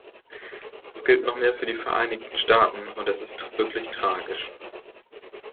Das gilt noch mehr für die Vereinigten Staaten, und es ist wirklich tragisch.